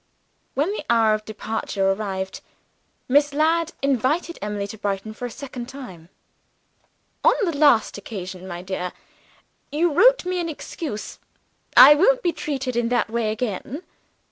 When the hour of departure arrived, Miss Ladd invited Emily to Brighton for the second time. "On the last occasion, my dear, you wrote me an excuse; I won't be treated in that way again.